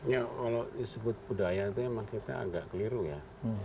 ya kalau disebut budaya itu memang kita agak keliru ya